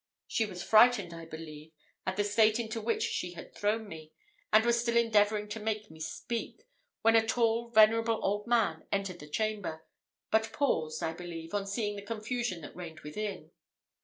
She was frightened, I believe, at the state into which she had thrown me, and was still endeavouring to make me speak, when a tall, venerable old man entered the chamber, but paused, I believe, on seeing the confusion that reigned within.